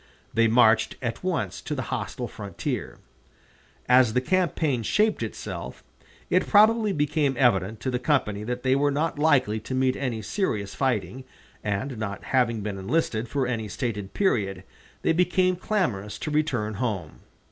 They marched at once to the hostile frontier. As the campaign shaped itself, it probably became evident to the company that they were not likely to meet any serious fighting, and, not having been enlisted for any stated period, they became clamorous to return home.